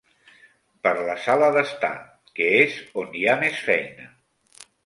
Per la sala d'estar, que és on hi ha més feina.